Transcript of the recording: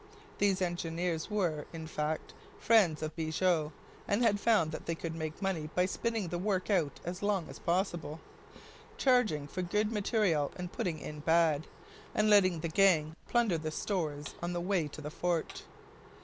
These engineers were, in fact, friends of Bigot, and had found that they could make money by spinning the work out as long as possible, charging for good material and putting in bad, and letting the gang plunder the stores on the way to the fort.